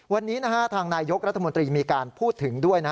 วันนี้นะฮะทางนายยกรัฐมนตรีมีการพูดถึงด้วยนะ